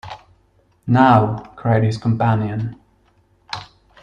“Now!” cried his companion.